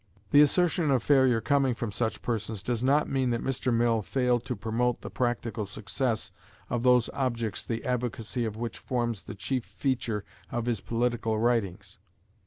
The assertion of failure coming from such persons does not mean that Mr. Mill failed to promote the practical success of those objects the advocacy of which forms the chief feature of his political writings.